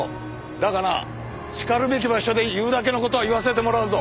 だがなしかるべき場所で言うだけの事は言わせてもらうぞ。